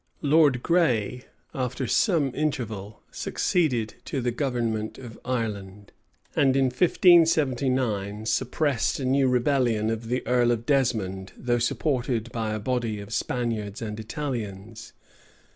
Lord Gray, after some interval, succeeded to the government of Ireland; and in 1579 suppressed a new rebellion of the earl of Desmond, though supported by a body of Spaniards and Italians.